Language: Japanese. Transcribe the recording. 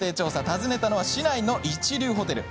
訪ねたのは、市内の一流ホテル。